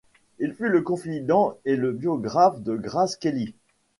Il fut le confident et le biographe de Grace Kelly.